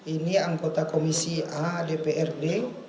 ini anggota komisi a dprd